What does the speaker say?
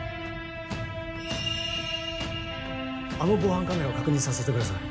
あの防犯カメラを確認させてください。